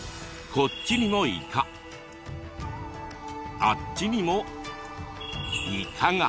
こっちにもイカあっちにもイカが。